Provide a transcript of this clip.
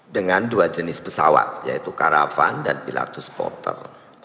dengan dua jenis pesawat yaitu caravan dan pilatus portal